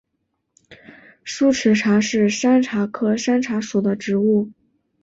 疏齿茶是山茶科山茶属的植物。